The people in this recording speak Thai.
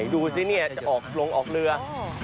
ดูสิเนี่ยจะออกลงออกเรือ